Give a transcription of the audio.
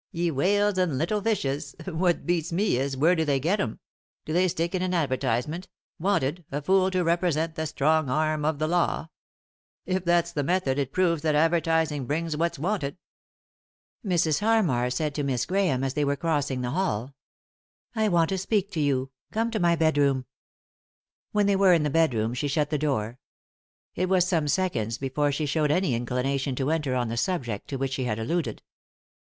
" Ye whales and little fishes 1 What beats me is, where do they get 'em ? Do they stick in an advertise ment, ' Wanted, a fool, to represent the strong arm of the law ?' If that's the method, it proves that adver tising brings what's wanted.' Mrs. Harmar said to Miss Grahame, as they were crossing the hall :" I want to speak to you ; come to my bedroom." 35 3i 9 iii^d by Google THE INTERRUPTED KISS When they were in the bedroom she shut the door. It was some seconds before she showed any inclination to enter on the subject to which she had alluded.